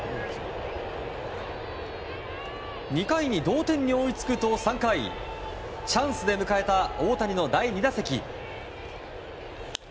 ２回に同点に追いつくと３回チャンスで迎えた大谷の第２打席。